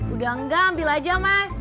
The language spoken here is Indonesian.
udah enggak ambil aja mas